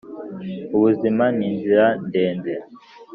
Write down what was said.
ubuzima ni inzira ndende